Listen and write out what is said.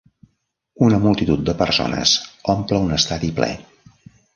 Una multitud de persones omple un estadi ple.